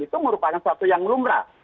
itu merupakan suatu yang lumrah